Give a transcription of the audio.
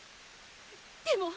でも！